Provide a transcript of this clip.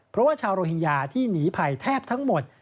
เพราะว่าชาวโรฮิงญาที่หนีภัยแทบทั้งหมด